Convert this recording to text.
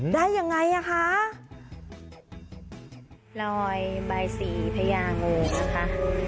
ได้ยังไงอ่ะค่ะลอยบายศรีพญาโงค์นะคะ